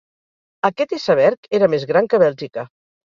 Aquest iceberg era més gran que Bèlgica.